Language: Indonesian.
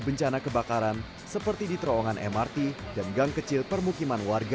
bencana kebakaran seperti di terowongan mrt dan gang kecil permukiman warga